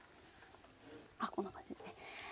あっこんな感じですねはい。